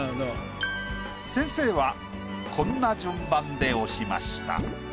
先生はこんな順番で押しました。